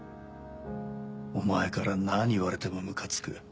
お前から何言われてもムカつく。